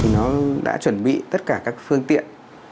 nó đã chuẩn bị tất cả các phương tiện